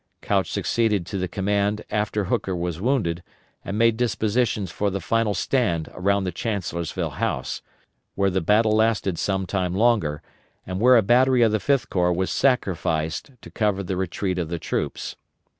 Couch succeeded to the command after Hooker was wounded, and made dispositions for the final stand around the Chancellorsville House, where the battle lasted some time longer, and where a battery of the Fifth Corps was sacrificed to cover the retreat of the troops.